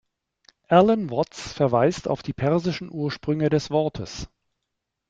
Alan Watts verweist auf die persischen Ursprünge des Wortes.